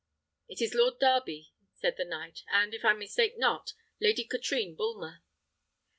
"It is Lord Darby," said the knight, "and, if I mistake not, Lady Katrine Bulmer."